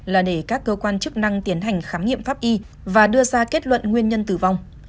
là để các cơ quan chức năng tiến hành khám nghiệm pháp y và đưa ra kết luận nguyên nhân tử vong